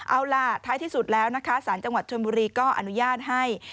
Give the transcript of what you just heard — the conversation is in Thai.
เอาล่ะท้ายที่สุดแล้วนะคะสารจังหวัดชนบุรีก็อนุญาตให้